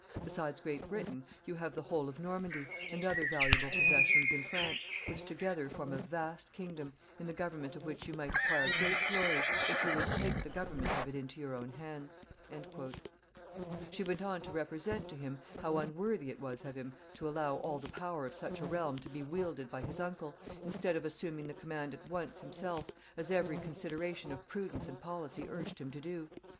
Besides Great Britain, you have the whole of Normandy, and other valuable possessions in France, which together form a vast kingdom, in the government of which you might acquire great glory, if you would take the government of it into your own hands." [Sidenote: Margaret's arguments.] She went on to represent to him how unworthy it was of him to allow all the power of such a realm to be wielded by his uncle, instead of assuming the command at once himself, as every consideration of prudence and policy urged him to do.